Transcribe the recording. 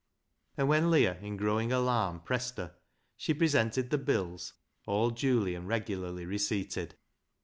And when Leah in growing alarm pressed her, she pre sented the bills all duly and regularly receipted.